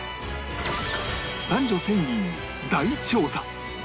男女１０００人に大調査